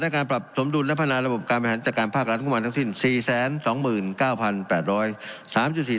ได้การปรับสมดุลและพนายระบบการบริหารจัดการภาครัฐกรรมของมันทั้งสิ้น